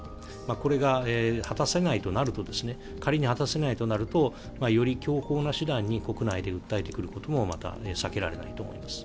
これが果たせないとなると仮に果たせないとなるとより強硬な手段に国内で訴えてくることもまた避けられないと思います。